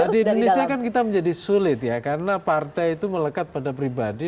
ya di indonesia kan kita menjadi sulit ya karena partai itu melekat pada pribadi